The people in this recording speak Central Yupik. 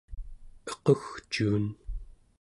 equgcuun